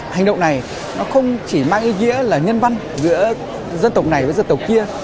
hành động này nó không chỉ mang ý nghĩa là nhân văn giữa dân tộc này với dân tộc kia